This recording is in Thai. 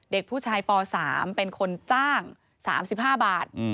เด็กผู้ชายป๓เป็นคนจ้าง๓๕บาท